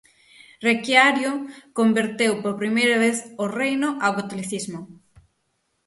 Requiario converteu por primeira vez o reino ao catolicismo.